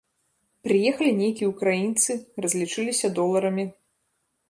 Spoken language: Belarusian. Прыехалі нейкія ўкраінцы, разлічыліся доларамі.